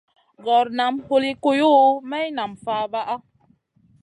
Gor nam huli kuyuʼu, maï nam fabaʼa.